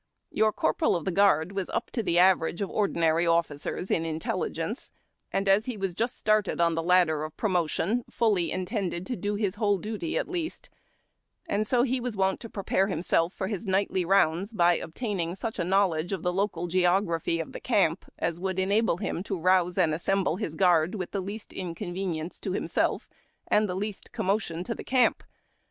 Your corporal of the guard was up to the average of ordinary officers in intelligence, and, as he was just started on the ladder of promotions, fully intended to do his whole duty at least ; and so he was wont to prepare himself for his nightly rounds by obtaining such a knowledge of the local geography of the camp as would enable him to arouse and assemble his guard with the least inconvenience to himself and the least commotion to the camp.